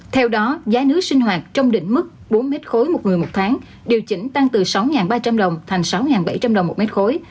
theo đó giá nước sinh hoạt trong đỉnh mức bốn mét khối một người một tháng điều chỉnh tăng từ sáu ba trăm linh đồng thành sáu bảy trăm linh đồng một mét khối